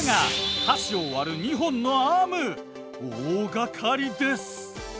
大がかりです。